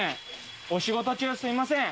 お仕事中すみません。